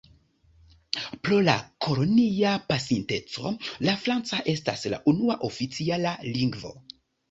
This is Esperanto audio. Pro la kolonia pasinteco la franca estas la unua oficiala lingvo.